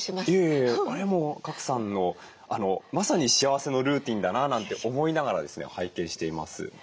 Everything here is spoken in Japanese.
いえいえあれも賀来さんのまさに幸せのルーティンだななんて思いながらですね拝見しています。